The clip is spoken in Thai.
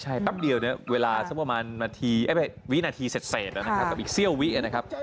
ใช่ปั๊บเดียวเนี่ยเวลาสักประมาณวินาทีเสร็จแล้วกับอีกเสี่ยววินนะครับ